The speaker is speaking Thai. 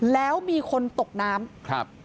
แล้วมีคนตกน้ำ